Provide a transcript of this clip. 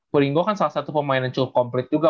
pringo kan salah satu pemain yang complete juga